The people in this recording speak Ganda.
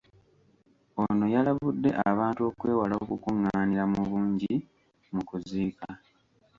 Ono yalabudde abantu okwewala okukungaanira mu bungi mu kuziika.